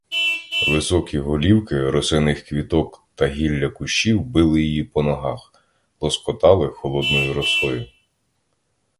Високі голівки росяних квіток та гілля кущів били її по ногах, лоскотали холодною росою.